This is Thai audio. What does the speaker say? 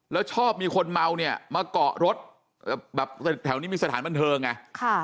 แล้วชอบมีคนเมาเนี่ยมาเกาะรถแบบแถวนี้มีสถานบันเทิงไง